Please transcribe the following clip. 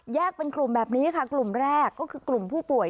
เป็นกลุ่มแบบนี้ค่ะกลุ่มแรกก็คือกลุ่มผู้ป่วย